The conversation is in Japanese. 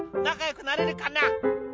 仲よくなれるかな？」